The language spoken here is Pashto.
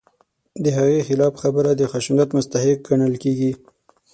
د هغې خلاف خبره د خشونت مستحق ګڼل کېږي.